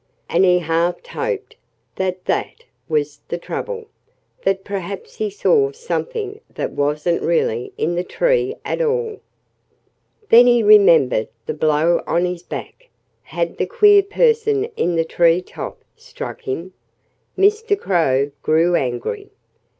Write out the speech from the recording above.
And he half hoped that that was the trouble that perhaps he saw something that wasn't really in the tree at all. Then he remembered the blow on his back. Had the queer person in the tree top struck him?... Mr. Crow grew angry.